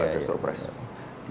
tak pasti ada surprise